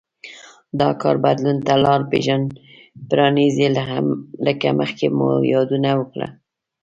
دا کار بدلون ته لار پرانېزي لکه مخکې مو یادونه وکړه